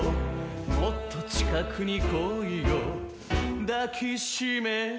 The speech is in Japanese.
「もっと近くに来いよ抱きしめてやる」